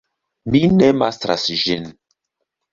Mi ne mastras ĝin.